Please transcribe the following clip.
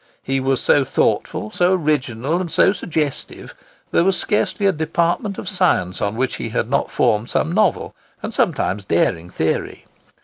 He was so thoughtful, so original, and so suggestive. There was scarcely a department of science on which he had not formed some novel and sometimes daring theory.